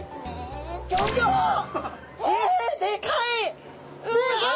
えっでかい！